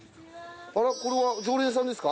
これは常連さんですか？